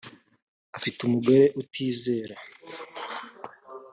afite umugore utizera